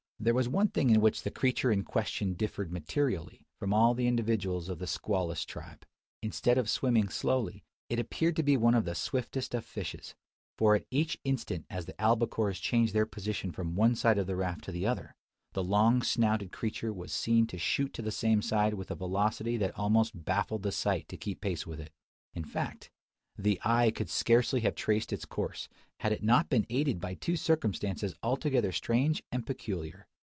There was one thing in which the creature in question differed materially from all the individuals of the squalus tribe. Instead of swimming slowly, it appeared to be one of the swiftest of fishes: for at each instant as the albacores changed their position from one side of the raft to the other, the long snouted creature was seen to shoot to the same side with a velocity that almost baffled the sight to keep pace with it. In fact, the eye could scarcely have traced its course, had it not been aided by two circumstances altogether strange and peculiar.